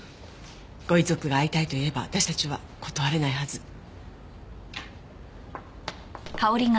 ご遺族が会いたいと言えば私たちは断れないはず。